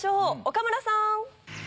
岡村さん！